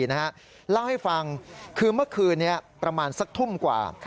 เล่าให้ฟังคือเมื่อคืนนี้ประมาณสักทุ่มกว่า